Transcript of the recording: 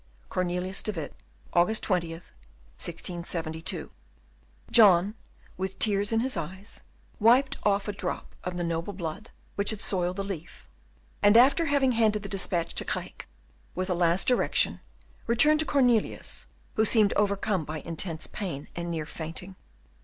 "Cornelius de Witt "August 20th, 1672." John, with tears in his eyes, wiped off a drop of the noble blood which had soiled the leaf, and, after having handed the despatch to Craeke with a last direction, returned to Cornelius, who seemed overcome by intense pain, and near fainting.